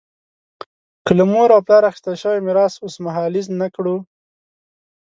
که له مور او پلار اخیستل شوی میراث اوسمهالیز نه کړو.